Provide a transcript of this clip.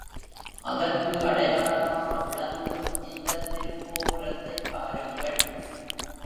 அதற்கு அடையாளமாக விளங்கும் இந்தத் திருக்கோபுரத்தைப் பாருங்கள்.